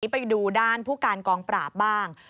ไปดูด้านผู้การกองปราบบ้าง